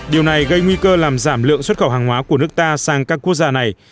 điều này gây nguy cơ làm giảm lượng xuất khẩu hàng hóa của nước ta sang các quốc gia này